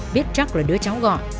biết chắc là đứa cháu gọi